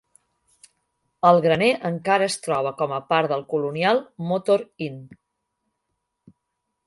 El graner encara es troba com a part del colonial Motor Inn.